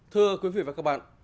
thưa quý vị và các bạn